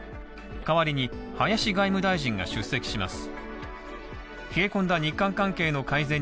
代わりに、林外務大臣が出席します。